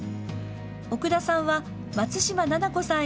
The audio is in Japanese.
奥田さんは松嶋菜々子さん